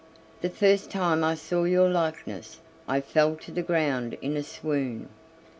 The first time I saw your likeness I fell to the ground in a swoon."